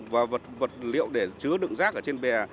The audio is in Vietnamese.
và vật liệu để chứa được